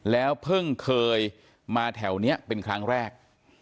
แล้วเพิ่งเคยมาแถวนี้เป็นครั้งแรก